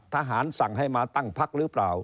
ทหารสั่งให้มาตั้งพักหรือเปล่า